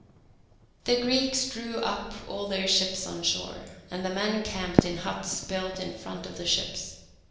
The Greeks drew up all their ships on shore, and the men camped in huts built in front of the ships.